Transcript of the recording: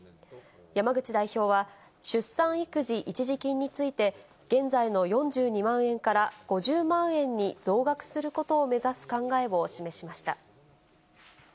山口代表は、出産育児一時金について、現在の４２万円から５０万円に増額することを目指す考えを示しました。